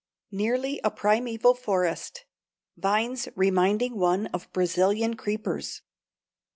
Nearly a primeval forest. Vines reminding one of Brazilian creepers.